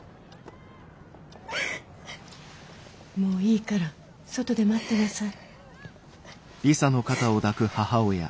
もういいから外で待ってなさい。